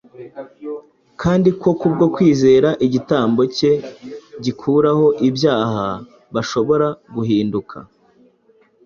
kandi ko kubwo kwizera igitambo cye gikuraho ibyaha bashobora guhinduka